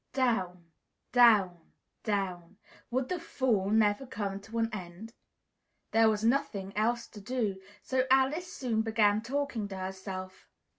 Down, down, down! Would the fall never come to an end? There was nothing else to do, so Alice soon began talking to herself.